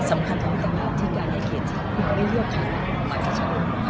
สำคัญของการอย่าเกลียดที่ไม่ได้เลือกใครไม่สำคัญ